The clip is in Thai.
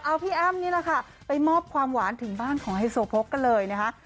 เอาพี่อ้ำนี่แหละค่ะไปมอบความหวานถึงบ้านของไฮโซโพกกันเลยนะคะ